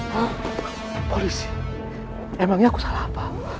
pak polisi emangnya aku salah apa